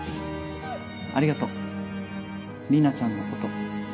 ありがと莉奈ちゃんのこと。